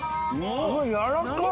やわらかっ！